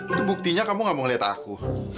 itu buktinya kamu gak mau ngeliat aku